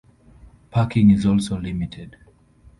Parking is also limited.